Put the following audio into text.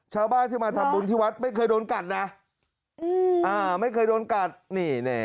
ชาวบ้านที่มาทำบุญที่วัดไม่เคยโดนกัดนะ